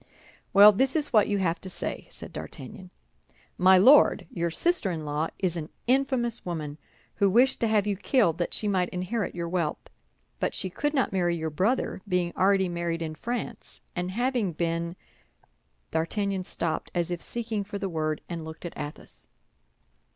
"Well, this is what you have to say," said D'Artagnan: "_My Lord, your sister in law is an infamous woman, who wished to have you killed that she might inherit your wealth; but she could not marry your brother, being already married in France, and having been_—" D'Artagnan stopped, as if seeking for the word, and looked at Athos.